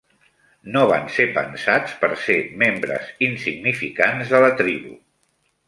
No van ser pensats per ser membres insignificants de la tribu.